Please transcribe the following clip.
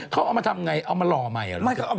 เขาเอามาทำไงเอามารอใหม่หรือเปล่า